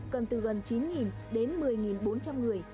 cần từ gần chín đến một mươi bốn trăm linh người